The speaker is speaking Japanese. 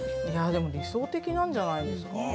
いやでも理想的なんじゃないですか？